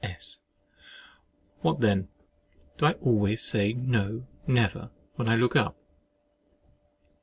S. What then, do I always say—"No—never!" when I look up?